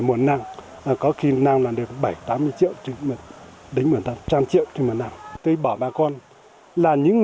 muộn nặng có khi nào là được bảy tám mươi triệu chứ một đến một trăm linh triệu thì mà nào tôi bỏ bà con là những